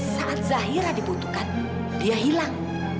saat zahira dibutuhkan dia hilang